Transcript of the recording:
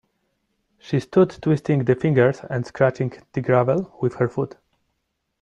She stood twisting the fingers and scratching the gravel with her foot.